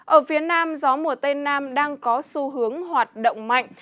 ở phía nam gió mùa tây nam đang có xu hướng hoạt động mạnh